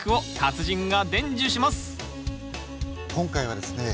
今回はですね